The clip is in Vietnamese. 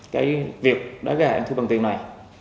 cái việc đã gạy ảnh thư bằng tiền này